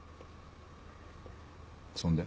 そんで？